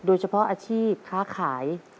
โดยเฉพาะอาชีพค้าขาย